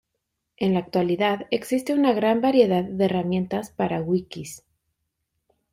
En la actualidad, existe una gran variedad de herramientas para wikis.